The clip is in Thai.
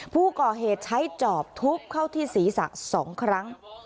ผู้ก่อเหตุใช้จอบทุบเข้าที่ศีรษะ๒ครั้ง